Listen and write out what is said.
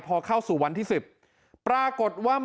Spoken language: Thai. พอเข้าสู่วันที่๑๐ปรากฏว่า